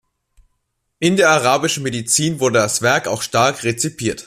In der arabischen Medizin wurde das Werk auch stark rezipiert.